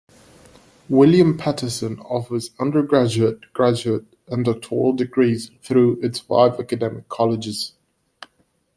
William Paterson offers undergraduate, graduate and doctoral degrees through its five academic colleges.